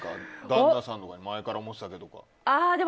旦那さんとかに前から思ってたけどって。